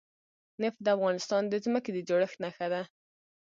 نفت د افغانستان د ځمکې د جوړښت نښه ده.